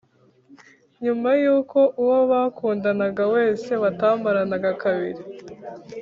nyuma y’uko uwo bakundanaga wese batamaranaga kabiri,